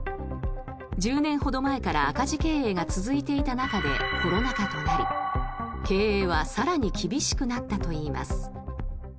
１０年ほど前から赤字経営が続いていた中でコロナ禍となり経営は更に厳しくなったといいます。